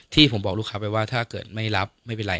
ที่ผมบอกลูกค้าไปว่าถ้าเกิดไม่รับไม่เป็นไร